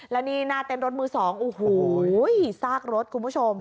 แล้วนี่หน้าเต้นรถมือสองโอ้โหซากรถคุณผู้ชม